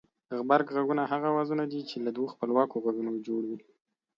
غبرگ غږونه هغه اوازونه دي چې له دوو خپلواکو غږونو جوړ وي